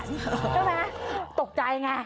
ใช่ไหมตกใจไง